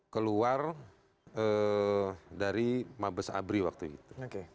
keluar dari mabes abri waktu itu